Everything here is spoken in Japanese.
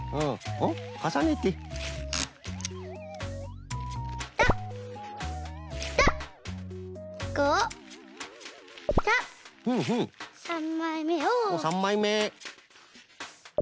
おっ３まいめ。